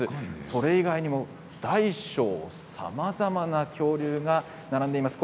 それ以外にも大小さまざまな恐竜が並んでいます。